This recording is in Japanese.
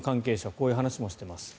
こういう話もしています。